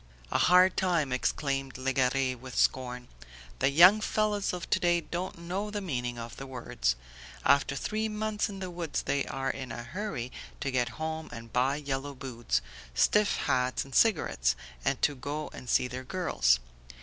"A hard time!" exclaimed Legare with scorn. "The young fellows of to day don't know the meaning of the words. After three months in the woods they are in a hurry to get home and buy yellow boots, stiff hats and cigarettes, and to go and see their girls.